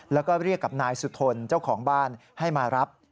แล้วก็เรียกกับนายสุธนเจ้าของบ้านให้มารับ